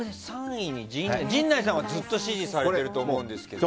３位の陣内さんは、ずっと支持されてると思いますけど。